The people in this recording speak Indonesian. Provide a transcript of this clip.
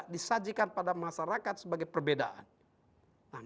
disajikan pada masyarakat sebagai perbedaan